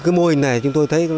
cái mô hình này chúng tôi thấy